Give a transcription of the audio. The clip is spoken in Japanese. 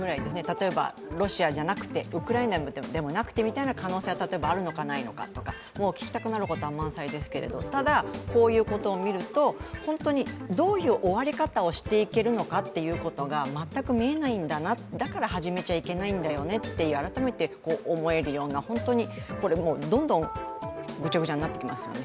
例えば、ロシアじゃなくてウクライナでもなくてという可能性は例えばあるのかないのかとかもう聞きたくなることは満載ですけど、ただ、こういうことを見ると本当にどういう終わり方をしていけるのかっていうことが全く見えないんだなだから始めちゃいけないんだよねっていう改めて思えるような、本当にこれどんどんグチャグチャになってきますよね。